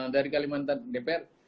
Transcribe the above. dari kalimantan dpr